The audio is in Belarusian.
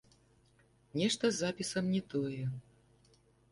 Нешта з запісам не тое.